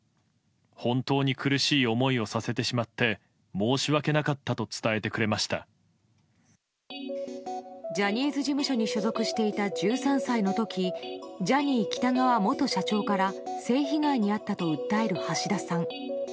本当に苦しい思いをさせてしまって、申し訳なかったと伝えてくれジャニーズ事務所に所属していた１３歳のとき、ジャニー喜多川元社長から性被害に遭ったと訴える橋田さん。